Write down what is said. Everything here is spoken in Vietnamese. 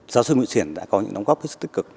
giáo sư nguyễn xiển đã có những đóng góp rất tích cực